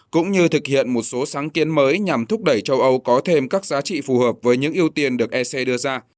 cũng như thực hiện một số sáng kiến mới nhằm thúc đẩy châu âu có thêm các giá trị phù hợp với những ưu tiên được ec đưa ra